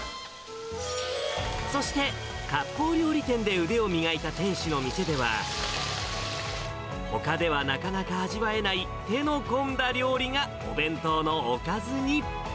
そして、かっぽう料理店で腕を磨いた店主の店では、ほかではなかなか味わえない、手の込んだ料理がお弁当のおかずに。